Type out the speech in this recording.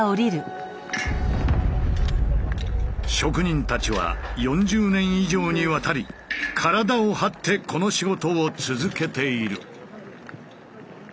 職人たちは４０年以上にわたり体を張ってこの仕事を続けている。